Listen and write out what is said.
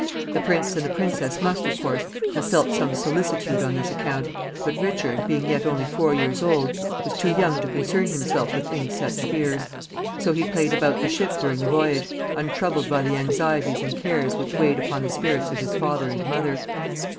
The prince and the princess must, of course, have felt some solicitude on this account, but Richard, being yet only four years old, was too young to concern himself with any such fears. So he played about the ship during the voyage, untroubled by the anxieties and cares which weighed upon the spirits of his father and mother.